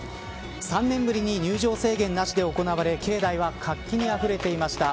３年ぶりに入場制限なしで行われ境内は活気にあふれていました。